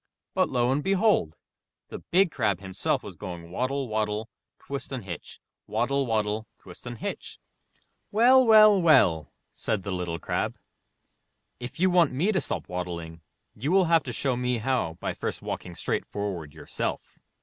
But lo and behold ! the Big Crab himself was going waddle, waddle, twist and hitch ! waddle, waddle, twist and hitch ! ''Well, well, well!'* said the Little Crab, *'if you want me to stop waddling, you will have to show me how by first walking straight forward yourself!